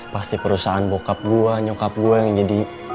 pasti perusahaan bokap gue nyokap gue yang jadi